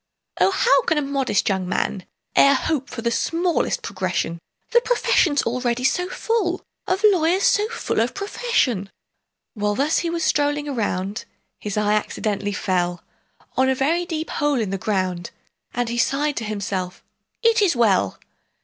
"O, how can a modest young man E'er hope for the smallest progression,— The profession's already so full Of lawyers so full of profession!" While thus he was strolling around, His eye accidentally fell On a very deep hole in the ground, And he sighed to himself, "It is well!"